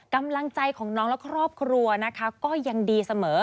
กำลังใจของน้องและครอบครัวนะคะก็ยังดีเสมอ